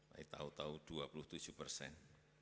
tapi tahu tahu dua puluh tujuh persen